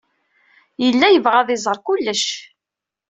Yella yebɣa ad iẓer kullec.